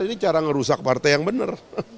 ini cara ngerusak partai yang benar